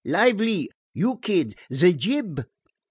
Lively! You Kid, ze jib!"